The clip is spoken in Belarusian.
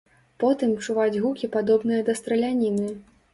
Потым чуваць гукі падобныя да страляніны.